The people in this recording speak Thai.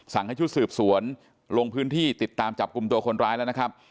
ให้ชุดสืบสวนลงพื้นที่ติดตามจับกลุ่มตัวคนร้ายแล้วนะครับ